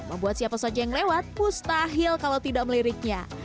membuat siapa saja yang lewat mustahil kalau tidak meliriknya